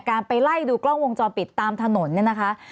การไปไล่ดูกล้องวงจรปิดตามถนนเนี่ยนะคะ